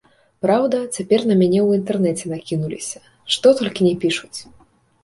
Праўда, цяпер на мяне ў інтэрнэце накінуліся, што толькі ні пішуць!